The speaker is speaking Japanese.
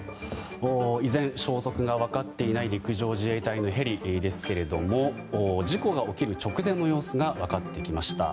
依然、消息が分かっていない陸上自衛隊のヘリですが事故が起きる直前の様子が分かってきました。